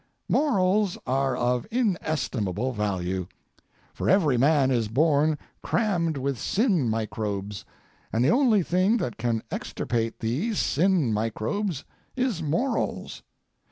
Morals are of inestimable value, for every man is born crammed with sin microbes, and the only thing that can extirpate these sin microbes is morals.